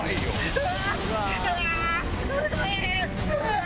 うわ！